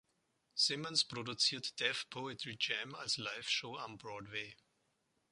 Simmons produziert "Def Poetry Jam" als Liveshow am Broadway.